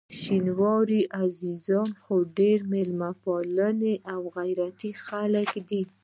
شینواري عزیزان خو ډېر میلمه پال او غیرتي خلک دي.